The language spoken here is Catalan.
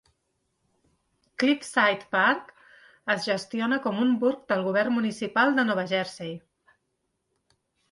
Cliffside Park es gestiona com un burg del govern municipal de Nova Jersey.